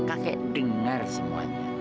kakek dengar semuanya